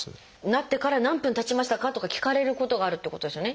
「なってから何分たちましたか？」とか聞かれることがあるってことですよね。